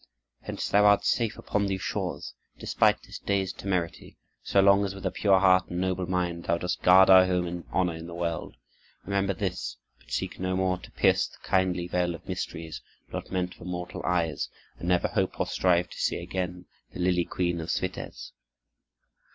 Hence thou art safe upon these shores, despite this day's temerity, so long as with a pure heart and noble mind, thou dost guard our name and honor in the world. Remember this. But seek no more to pierce the kindly veil of mysteries, not meant for mortal eyes; and never hope or strive to see again the lily queen of Switez."